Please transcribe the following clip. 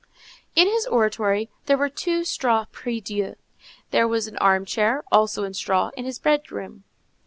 In his oratory there were two straw prie Dieu, and there was an armchair, also in straw, in his bedroom.